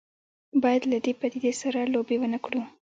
باید له دې پدیدې سره لوبې ونه کړو.